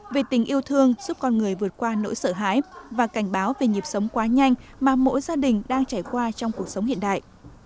về tình yêu thương giúp con người vượt qua nỗi sợ hãi và cảnh báo về nhịp sống quá nhanh mà mỗi gia đình đang trải qua trong cuộc sống hiện đại